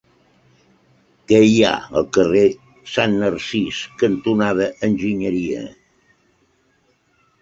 Què hi ha al carrer Sant Narcís cantonada Enginyeria?